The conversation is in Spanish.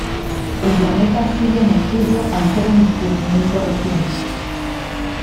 El planeta sigue en estudio al ser un descubrimiento reciente.